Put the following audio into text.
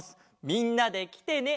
みんなできてね！」